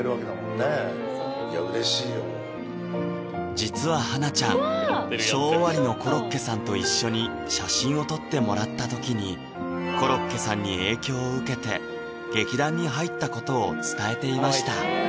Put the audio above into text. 実は花奈ちゃんショー終わりのコロッケさんと一緒に写真を撮ってもらった時にコロッケさんに影響を受けて劇団に入ったことを伝えていました